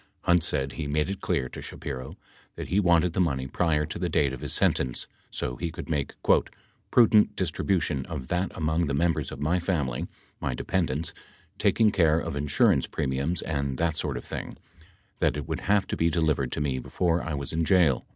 Hunt said he made it clear to Shapiro that he wanted the money prior to the date of his sentence so he could make "prudent distribution of that among the members of my family, my dependents, taking care of insurance premiums and that sort of thing, that it would have to be delivered to me before I was in jail."